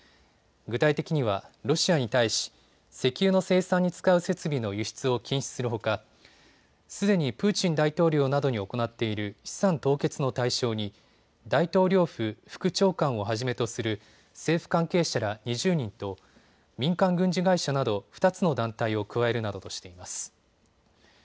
具体的にはロシアに対し、石油の生産に使う設備の輸出を禁止するほかすでにプーチン大統領などに行っている資産凍結の対象に大統領府副長官をはじめとする政府関係者ら２０人と民間軍事会社など２つの団体を加えるなどとしています。